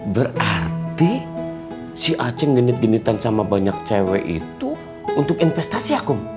berarti si aceh ngenit genitan sama banyak cewek itu untuk investasi ya kum